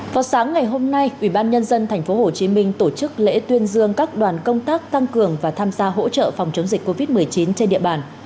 vào sáng ngày hôm nay ubnd tp hcm tổ chức lễ tuyên dương các đoàn công tác tăng cường và tham gia hỗ trợ phòng chống dịch covid một mươi chín trên địa bàn